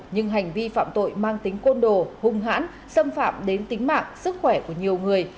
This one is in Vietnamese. nhưng hành vi phạm tội mang tính côn đồ hung hãn xâm phạm đến tính mạng sức khỏe của nhiều người